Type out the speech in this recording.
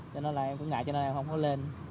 cho nên là em cũng ngại cho nên em không có lên